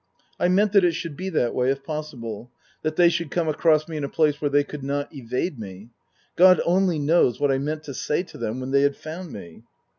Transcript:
I meant that it should be that way, if possible : that they should come across me in a place where they could not evade me. God only knows what I meant to say to them when they had found me.